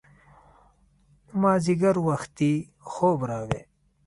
مازیګر وختي خوب راغی